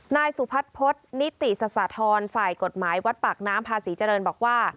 นายสุพัฒนพฤษนิติสสาธรฝ่ายกฎหมายวัดปากน้ำพาศรีเจริญบอกว่า